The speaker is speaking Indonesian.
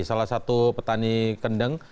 salah satu petani kendeng